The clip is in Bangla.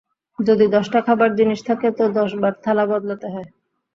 যদি দশটা খাবার জিনিষ থাকে তো দশবার থালা বদলাতে হয়।